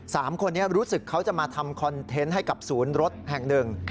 สามคนนี้รู้สึกเขาจะมาทำคอนเทนต์ให้กับศูนย์รถแห่งหนึ่ง